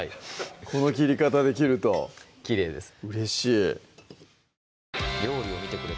この切り方できるときれいです